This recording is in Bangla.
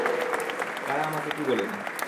কারা আমাকে কী বলেনি?